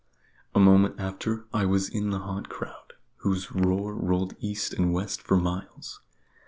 A moment after I was in the hot crowd, whose roar rolled east and west for miles.